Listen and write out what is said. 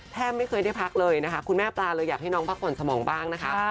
ไม่เคยได้พักเลยนะคะคุณแม่ปลาเลยอยากให้น้องพักผ่อนสมองบ้างนะคะ